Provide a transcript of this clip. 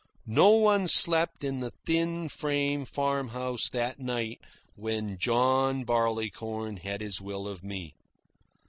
No one slept in the thin, frame farm house that night when John Barleycorn had his will of me.